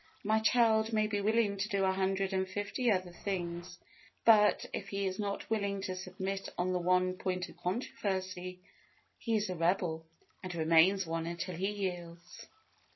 My child may be willing to do a hundred and fifty other things, but, if he is not willing to submit on the one point of controversy, he is a rebel, and remains one until he yields.